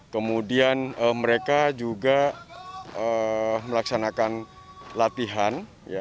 kemudian mereka juga melaksanakan latihan